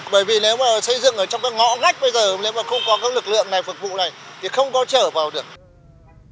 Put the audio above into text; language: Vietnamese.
bởi vì nếu mà xây dựng ở trong các ngõ ngách bây giờ nếu mà không có các lực lượng này phục vụ này thì không có trở vào được